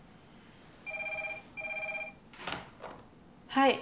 ☎はい。